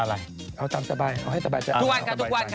อะไรเอาตามสบายเอาให้สบายใจทุกวันค่ะ